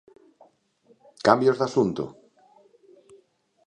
Cambios de asunto.